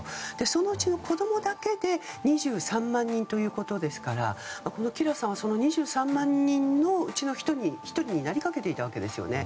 そのうちの子供だけで２３万人ということですからこのキラさんはその２３万人のうちの１人になりかけていたわけですよね。